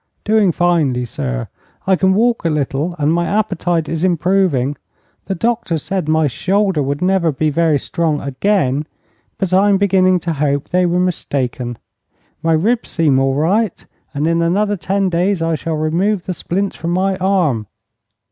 "Doing finely, sir. I can walk a little, and my appetite is improving. The doctors said my shoulder would never be very strong again, but I'm beginning to hope they were mistaken. My ribs seem all right, and in another ten days I shall remove the splints from my arm."